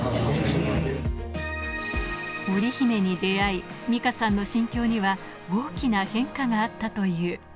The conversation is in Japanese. オリヒメに出会い、ミカさんの心境には大きな変化があったという。